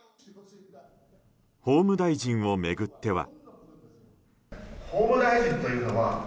法務大臣を巡っては。